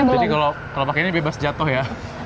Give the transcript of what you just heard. jadi kalau pake ini bebas jatuh ya